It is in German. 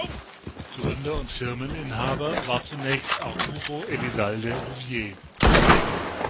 Gründer und Firmeninhaber war zunächst Arturo Elizalde Rouvier.